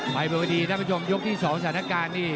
ไปบนวดีท่านผู้ชมยกที่๒สถานการณ์นี่